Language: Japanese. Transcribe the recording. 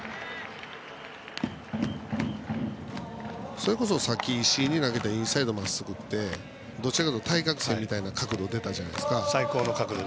それこそさっき石井に投げたインサイドのまっすぐってどちらかというと対角線みたいな角度が出たじゃないですか。